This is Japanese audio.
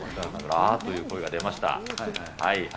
あーという声が出ました。